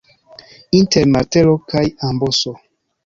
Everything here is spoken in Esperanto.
Inter martelo kaj amboso.